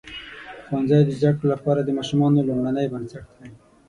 ښوونځی د زده کړو لپاره د ماشومانو لومړنۍ بنسټ دی.